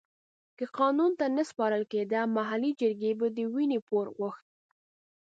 که قانون ته نه سپارل کېده محلي جرګې به د وينې پور غوښت.